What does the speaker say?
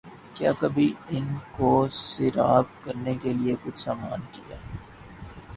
کیا کبھی ان کو سیراب کرنے کیلئے کچھ سامان کیا